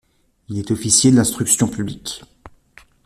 Il est officier de l’Instruction publique.